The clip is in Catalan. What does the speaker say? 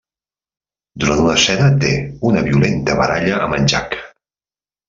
Durant una escena té una violenta baralla amb en Jack.